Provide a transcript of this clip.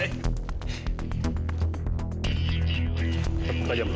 enggak jam bro